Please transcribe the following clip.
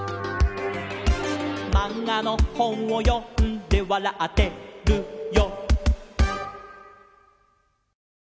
「まんがのほんをよんでわらってるよ」